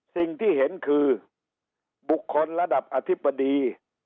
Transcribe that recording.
สิ่งที่เห็นคือบุคคลระดับอธิบดี